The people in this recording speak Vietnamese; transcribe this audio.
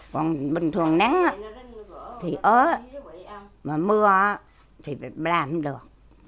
còn bình thường nắng thì ớ mà mưa thì làm được